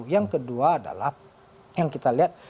yang kedua adalah yang kita lihat